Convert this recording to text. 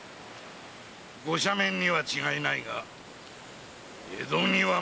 御赦免には違いないが江戸には戻せん！